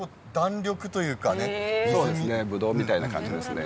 ぶどうみたいな感じですね。